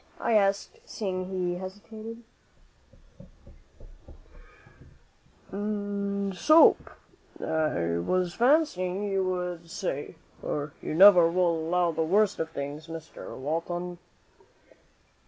I asked, seeing he hesitated. "'And soap,' I was fancying you would say; for you never will allow the worst of things, Mr. Walton."